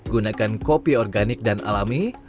gunakan kopi organik dan alami